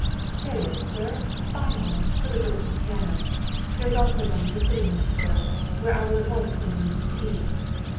"There is, sir, a fine one, for the good of the piano. There is also a fire in the sitting room, sir, where I will at once send in some tea."